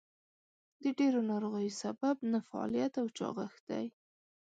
د ډېرو ناروغیو سبب نهفعاليت او چاغښت دئ.